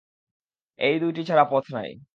এই দুইটি ছাড়া পথ নাই।